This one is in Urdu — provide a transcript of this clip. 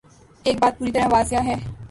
ایک بات پوری طرح واضح ہے۔